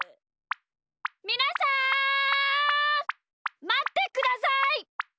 みなさんまってください！